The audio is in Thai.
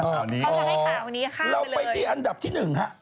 เขาจะให้ข่าวนี้ค่าไปเลยเราไปที่อันดับที่๑ฮะ